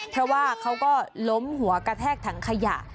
เพราะว่าเขาก็ล้มหัวกระแทกถังขยะ